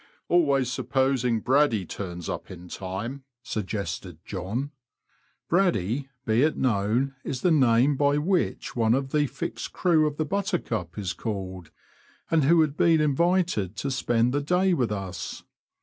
" Always supposing Braddy turns up in time, suggested John. '* Braddy,'' be it known, is the name by which one of the fixed crew of the Buttercup is called, and who had been invited to spend the day with us.